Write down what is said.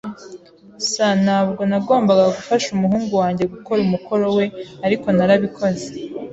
[S] Ntabwo nagombaga gufasha umuhungu wanjye gukora umukoro we, ariko narabikoze.